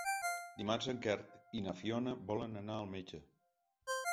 Dimarts en Quer i na Fiona volen anar al metge.